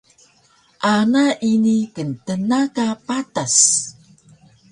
Ana ini ktna ka patas